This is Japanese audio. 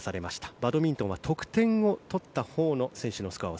バドミントンは得点を取ったほうの選手のスコアを